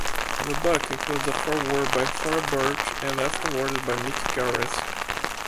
The book includes a foreword by Thora Birch and afterword by Mick Garris.